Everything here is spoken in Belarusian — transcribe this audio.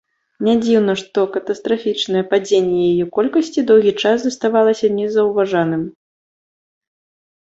Нядзіўна, што катастрафічнае падзенне яе колькасці доўгі час заставалася незаўважаным.